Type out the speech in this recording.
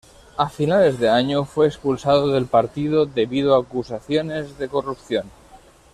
A finales de año, fue expulsado del partido debido a acusaciones de corrupción.